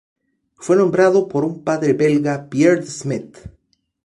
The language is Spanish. Fue nombrado por un padre Belga Pierre De Smet.